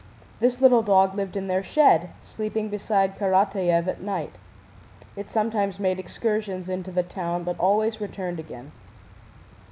This little dog lived in their shed, sleeping beside Karatáev at night; it sometimes made excursions into the town but always returned again.